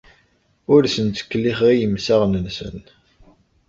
Ur asen-ttkellixeɣ i yemsaɣen-nsen.